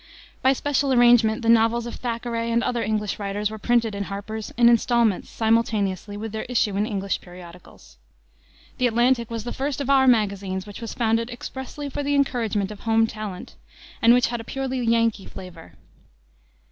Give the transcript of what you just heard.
By special arrangement the novels of Thackeray and other English writers were printed in Harper's in installments simultaneously with their issue in English periodicals. The Atlantic was the first of our magazines which was founded expressly for the encouragement of home talent, and which had a purely Yankee flavor.